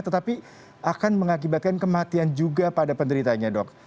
tetapi akan mengakibatkan kematian juga pada penderitanya dok